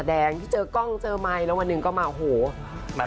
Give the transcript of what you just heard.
คุณผู้ชมไม่เจนเลยค่ะถ้าลูกคุณออกมาได้มั้ยคะ